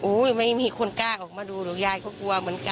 ไม่มีคนกล้าออกมาดูหรอกยายก็กลัวเหมือนกัน